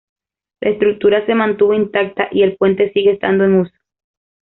La estructura se mantuvo intacta y el puente sigue estando en uso.